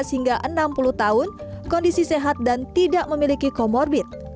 dua belas hingga enam puluh tahun kondisi sehat dan tidak memiliki komorbit